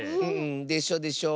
でしょでしょ。